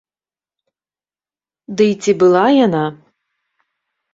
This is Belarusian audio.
Дый ці была яна?